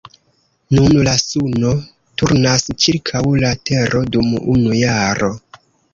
Nun la suno turnas ĉirkaŭ la tero dum unu jaro.